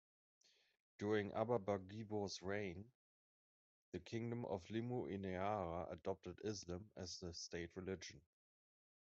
During Abba Bagibo's reign, the Kingdom of Limmu-Ennarea adopted Islam as the state religion.